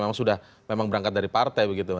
memang sudah memang berangkat dari partai begitu